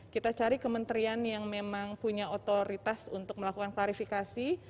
kita cari kementerian yang memang punya otoritas untuk melakukan klarifikasi